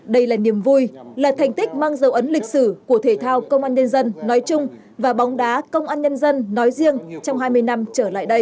đây là niềm vui là thành tích mang dấu ấn lịch sử của thể thao công an nhân dân nói chung và bóng đá công an nhân dân nói riêng trong hai mươi năm trở lại đây